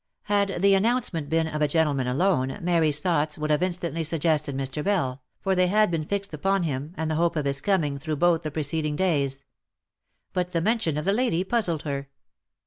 Had the announcement been of a gentleman alone, Mary's thoughts would have instantly suggested Mr. Bell, for they had been fixed upon him, and the hope of his coming, through both the preceding days. But the mention of the lady puzzled her.